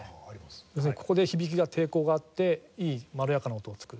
要するにここで響きが抵抗があっていいまろやかな音を作る。